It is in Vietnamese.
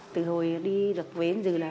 từ hồi đi được với anh dư là